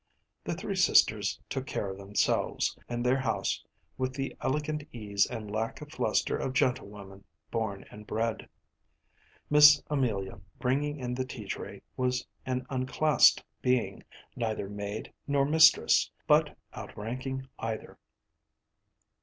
The three sisters took care of themselves and their house with the elegant ease and lack of fluster of gentlewomen born and bred. Miss Amelia, bringing in the tea tray, was an unclassed being, neither maid nor mistress, but outranking either.